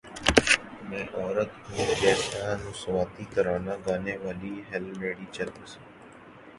میں عورت ہوں جیسا نسوانی ترانہ گانے والی ہیلن ریڈی چل بسیں